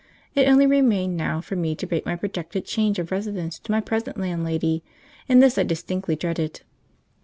It only remained now for me to break my projected change of residence to my present landlady, and this I distinctly dreaded.